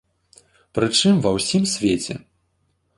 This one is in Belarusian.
Прычым ва ўсім свеце.